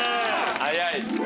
早い！